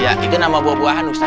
iya itu nama buah buahan ustaz